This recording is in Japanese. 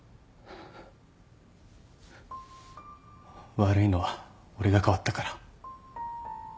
悪いのは俺が変わったから。